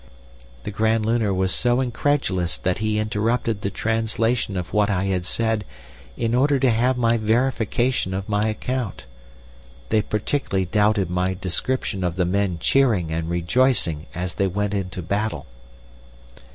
The Grand Lunar was so incredulous that he interrupted the translation of what I had said in order to have my verification of my account. They particularly doubted my description of the men cheering and rejoicing as they went into battle.